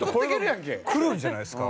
これはくるんじゃないですか？